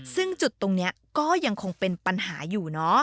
ซึ่งจุดตรงนี้ก็ยังคงเป็นปัญหาอยู่เนอะ